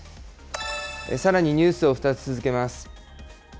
さらにニュースを２つ続けます。